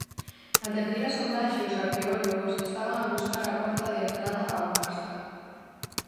Na terceira sondaxe, os arqueólogos estaban a buscar a porta de entrada ao castro.